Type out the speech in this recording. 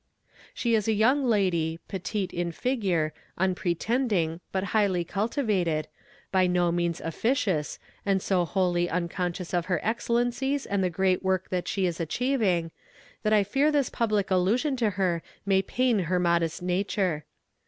"She is a young lady, petite in figure, unpretending, but highly cultivated, by no means officious, and so wholly unconscious of her excellencies and the great work that she is achieving, that I fear this public allusion to her may pain her modest nature.